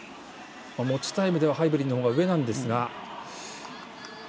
持ちタイムではハイブリンのほうが上なんですが。